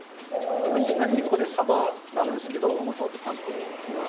ちなみにこれ、サバなんですけど。